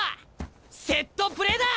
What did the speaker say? セットプレーだ！